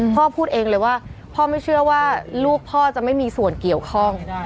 พูดเองเลยว่าพ่อไม่เชื่อว่าลูกพ่อจะไม่มีส่วนเกี่ยวข้อง